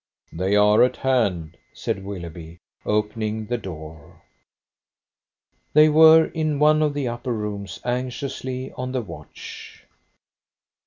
"They are at hand," said Willoughby, opening the door. They were in one of the upper rooms anxiously on the watch.